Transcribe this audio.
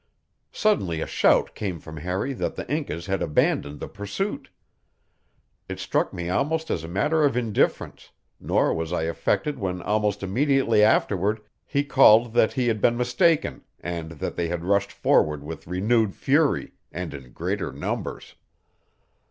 Suddenly a shout came from Harry that the Incas had abandoned the pursuit. It struck me almost as a matter of indifference; nor was I affected when almost immediately afterward he called that he had been mistaken and that they had rushed forward with renewed fury and in greater numbers.